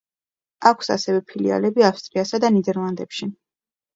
აქვს ასევე ფილიალები ავსტრიასა და ნიდერლანდებში.